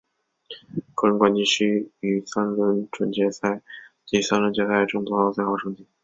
个人冠军需于三轮准决赛及三轮决赛中得到最好的成绩。